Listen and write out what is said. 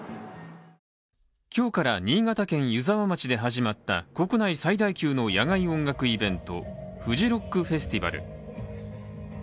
今日から新潟県湯沢町で始まった国内最大級の野外音楽イベントフジロックフェスティバル。